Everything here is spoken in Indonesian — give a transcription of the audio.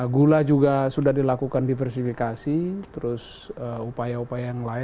gula juga sudah dilakukan diversifikasi terus upaya upaya yang lain